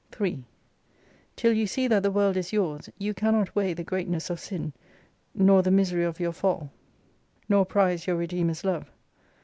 3 Till you see that the world is yours, you cannot weigh the greatness of sin, nor the misery of your fall, nor prize your redeemer's love.